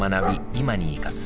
今に生かす。